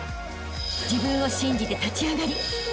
［自分を信じて立ち上がりあしたへ